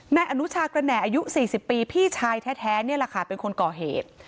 นายอนุชากระแหน่อายุ๔๐ปีพี่ชายแท้นี่แหละค่ะเป็นคนก่อเหตุ